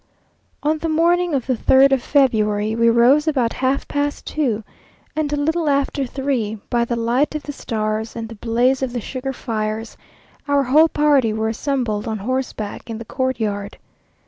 On the morning of the third of February we rose about half past two, and a little after three, by the light of the stars and the blaze of the sugar fires, our whole party were assembled on horseback in the courtyard.